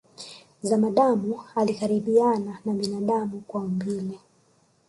Zamadamu alikaribiana na binadamu kwa umbile